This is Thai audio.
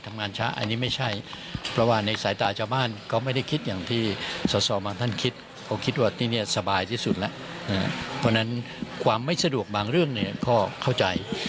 ทำงานช้าอันนี้ไม่ใช่